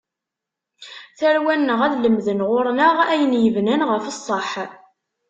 Tarwa-nneɣ ad lemden ɣur-neɣ, ayen yebnan ɣef ṣṣaḥ.